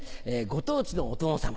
ご当地のお殿様